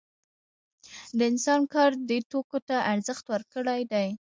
د انسان کار دې توکو ته ارزښت ورکړی دی